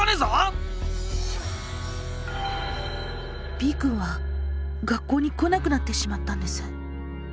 Ｂくんは学校に来なくなってしまったんです。